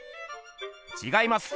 ちがいます。